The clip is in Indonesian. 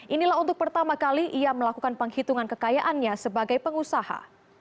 inilah untuk pertama kali ia melakukan penghitungan kekayaannya sebagai pengusaha